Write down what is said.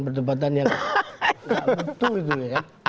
perdebatan yang nggak betul itu ya kan